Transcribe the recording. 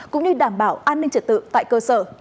cũng như đảm bảo an ninh trật tự tại cơ sở